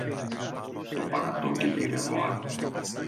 Το παρατώ και γυρεύω άλλο.